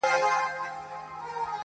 جهاني دا چي بلیږي یوه هم نه پاته کیږي؛